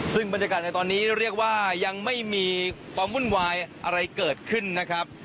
ซึ่งบรรยากาศในตอนนี้เรียกว่ายังไม่มีความวุ่นวายอะไรเกิดขึ้นนะครับ